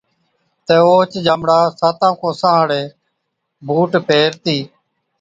تہ اوهچ ڄامڙا ساتان ڪوسان هاڙي بُوٽ پيهرتِي،